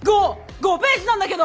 ５ページなんだけど！